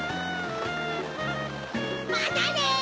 またね！